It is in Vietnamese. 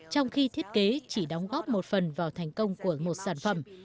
trong khi thiết kế chỉ đóng góp một phần vào thành công của một sản phẩm